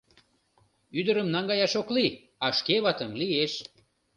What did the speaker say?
— Ӱдырым наҥгаяш ок лий, а шке ватым лиеш.